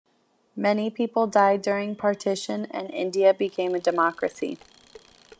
Many people died during partition and India became a democracy.